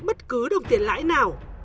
bất cứ đồng tiền lãi nào